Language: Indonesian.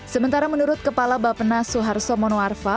sementara menurut kepala bapena soeharto monoarfa